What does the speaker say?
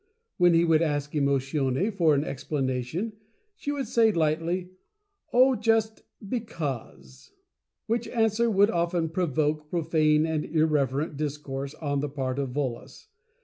When he would ask Emo tione for an explanation,, she would say, lightly, "Oh, Fable of the Mentative Couple 75 just because!" which answer would often provoke profane and irreverent discourse on the part of Volos.